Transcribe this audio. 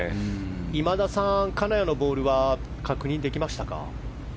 今田さん、金谷のボールは確認できましたか？